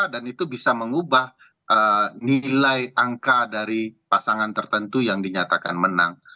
dan itu bisa mengubah nilai angka dari pasangan tertentu yang dinyatakan menang